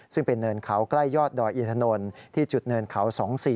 ซึ่งเป็นเนินเขาใกล้ยอดดอยอินถนนที่จุดเนินเขา๒๔